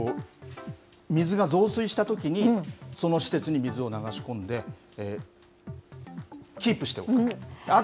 水が増水したときに、その施設に水を流し込んで、キープしておく。